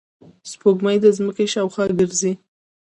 سپوږمۍ د ځمکې شاوخوا ګرځي